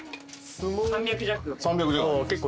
３００弱。